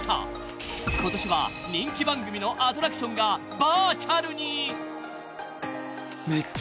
［今年は人気番組のアトラクションがバーチャルに！］